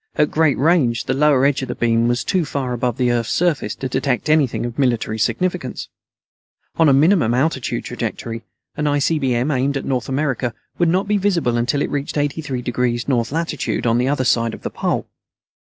At great range, the lower edge of the beam was too far above the Earth's surface to detect anything of military significance. On a minimum altitude trajectory, an ICBM aimed for North America would not be visible until it reached 83° North Latitude on the other side of the Pole.